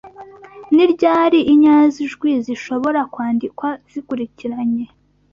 Ni ryari inyajwi zishobora kwandikwa zikurikiranye